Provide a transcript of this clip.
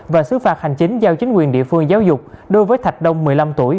và xứ phạt hành chính giao chính quyền địa phương giáo dục đối với thạch đông một mươi năm tuổi